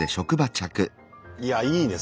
いやいいね